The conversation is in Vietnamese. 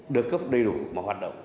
được cấp đầy đủ mà hoạt động